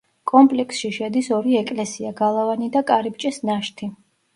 კომპლექსში შედის ორი ეკლესია, გალავანი და კარიბჭის ნაშთი.